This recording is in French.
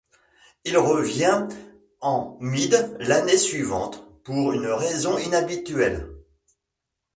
Il revient en Mide l'année suivante pour une raison inhabituelle.